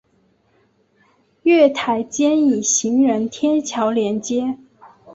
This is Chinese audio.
月台间以行人天桥连接。